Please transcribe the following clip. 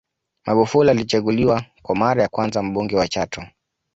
Magufuli alichaguliwa kwa mara ya kwanza Mbunge wa Chato